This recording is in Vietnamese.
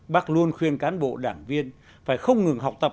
bác luôn khuyên cán bộ đảng viên phải không ngừng học tập